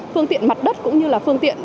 phương tiện mặt đất cũng như là phương tiện